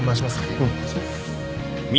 うん。